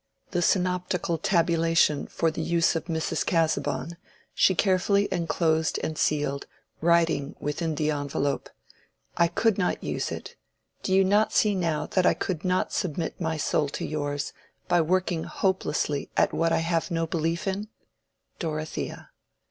The Synoptical Tabulation for the use of Mrs. Casaubon, she carefully enclosed and sealed, writing within the envelope, "I could not use it. Do you not see now that I could not submit my soul to yours, by working hopelessly at what I have no belief in—Dorothea?"